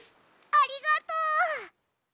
ありがとう！